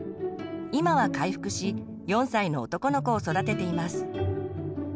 今は回復し４歳の男の子を育てています。